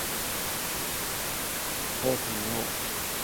早唞，明天見